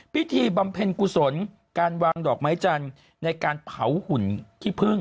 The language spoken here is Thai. บำเพ็ญกุศลการวางดอกไม้จันทร์ในการเผาหุ่นขี้พึ่ง